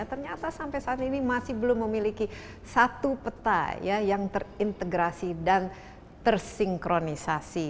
ternyata sampai saat ini masih belum memiliki satu peta yang terintegrasi dan tersinkronisasi